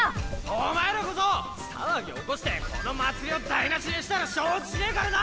お前らこそ騒ぎ起こしてこの祭りを台なしにしたら承知しねぇからな！